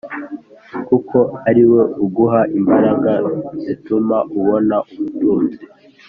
kuko ari we uguha imbaraga zituma ubona ubutunzi